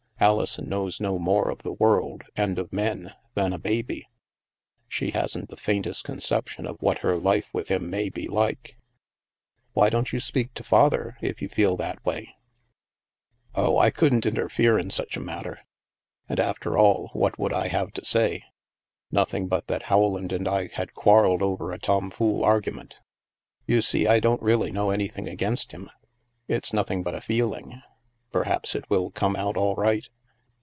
Alison knows no more of the world, and of men, than a baby. She hasn't the faintest conception of what her life with him may be like —"" Why don't you speak to Father, if you feel that way ?"" Oh, I couldn't interfere in such a matter. And after all, what would I have to say ? Nothing, but that Rowland and I had quarrelled over a tom fool argument. You see, I don't really know anything against him. It's nothing but a feeling. Perhaps it will come out all right.